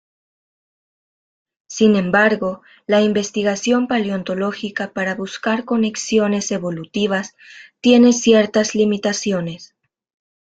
Sin embargo, la investigación paleontológica para buscar conexiones evolutivas tiene ciertas limitaciones.